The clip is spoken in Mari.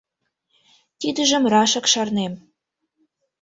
Тидыжым рашак шарнем.